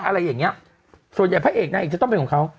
อะไรอย่างเงี้ยส่วนใหญ่พระเอกนางเอกจะต้องเป็นของเขา